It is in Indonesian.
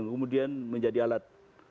kemudian menjadi alat